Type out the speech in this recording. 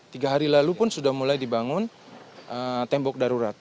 tiga hari lalu pun sudah mulai dibangun tembok darurat